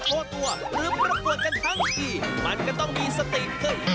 หรือปรบปร่วนกันทั้งสี่มันก็ต้องมีสติดเคย